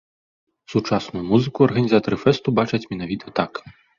Сучасную музыку арганізатары фэсту бачаць менавіта так.